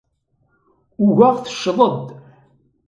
Ugaɣ teccḍed.